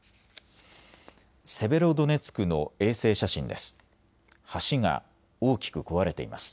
セベロドネツクの衛星写真です。